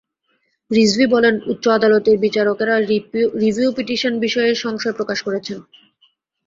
রিজভী বলেন, উচ্চ আদালতের বিচারকেরা রিভিউ পিটিশন বিষয়ে সংশয় প্রকাশ করেছেন।